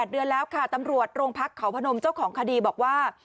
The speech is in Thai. เดือนแล้วค่ะตำรวจโรงพักเขาพนมเจ้าของคดีบอกว่า